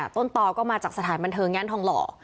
ต้นต่อก็มาจากสถานบันเทิงย่านทองหล่อ